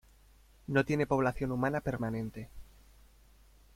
No tiene población humana permanente.